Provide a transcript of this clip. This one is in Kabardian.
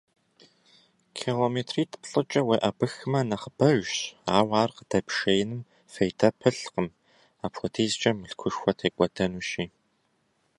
Километритӏ-плӏыкӏэ уеӏэбыхмэ нэхъыбэжщ, ауэ ар къыдэпшеиным фейдэ пылъкъым, апхуэдизкӏэ мылъкушхуэ текӏуэдэнущи.